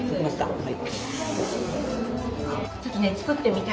はい。